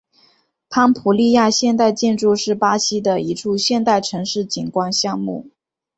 潘普利亚现代建筑是巴西的一处现代城市景观项目。